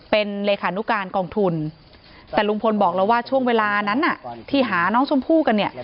เป็นเลขานุการกองทุนแต่ลุงพลบอกแล้วว่าช่วงเวลานั้นที่หาน้องชมพู่กันเนี่ย